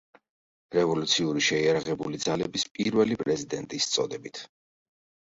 რევოლუციური შეიარაღებული ძალების პირველი პრეზიდენტის წოდებით.